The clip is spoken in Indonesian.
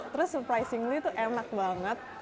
terus surprisingly itu enak banget